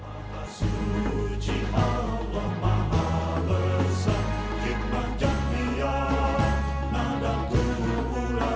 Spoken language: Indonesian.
halesan khidmat yahya